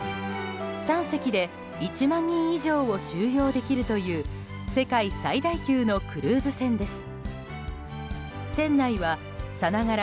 ３隻で１万人以上を収容できるという世界最大級のクルーズ船です。